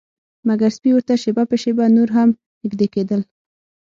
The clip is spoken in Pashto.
مګر سپي ورته شیبه په شیبه نور هم نږدې کیدل